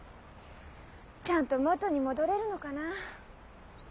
ちゃんと元に戻れるのかな？